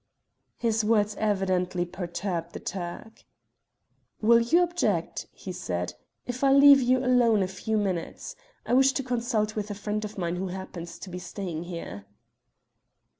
His words evidently perturbed the Turk. "Will you object," he said, "if I leave you alone a few minutes? I wish to consult with a friend of mine who happens to be staying here."